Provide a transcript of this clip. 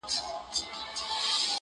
• چي خبري د رڼا اوري ترهیږي -